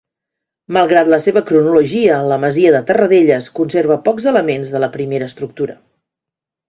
Malgrat la seva cronologia, la masia de Terradelles conserva pocs elements de la primera estructura.